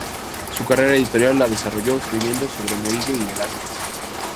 Su carrera editorial la desarrolló escribiendo sobre Murillo y Velázquez.